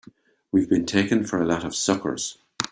We've been taken for a lot of suckers!